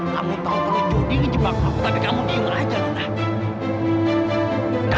kamu tahu kalau jody ngejebak aku tapi kamu diem aja nona